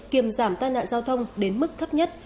kiềm giảm tai nạn giao thông đến mức thấp nhất